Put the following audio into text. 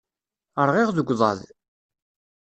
Rɣiɣ deg uḍaḍ.